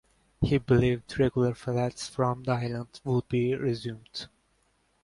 He believed regular flights from the island would be resumed.